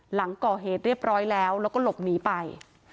หลังก่อเหตุเรียบร้อยแล้วแล้วก็หลบหนีไป